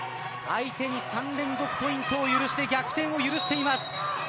相手に３連続ポイントを許して逆転を許しています。